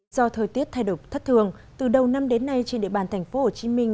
do thời tiết thay đổi thất thường từ đầu năm đến nay trên địa bàn thành phố hồ chí minh